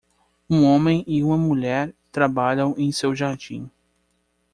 Um homem e uma mulher trabalham em seu jardim.